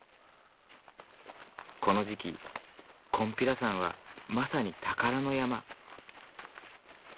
この時期金比羅山はまさに宝の山。